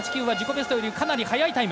ベストよりかなり速いタイム。